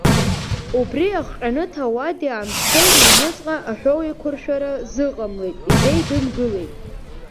Убри иахҟьаны ҭауади-аамсҭеи рыҩнуҵҟа аҳәоуеиқәшәара зыҟамлеит, изеидымгылеит.